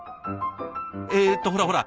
えっとほらほら